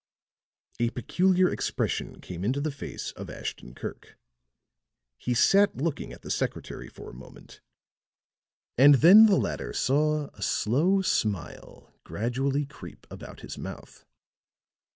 A peculiar expression came into the face of Ashton Kirk. He sat looking at the secretary for a moment; and then the latter saw a slow smile gradually creep about his mouth.